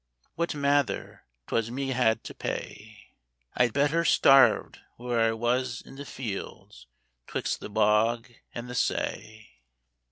What mather, 'twas me had to pay — I'd betther starved where I wuz in the fields 'twixt the bog an' the say.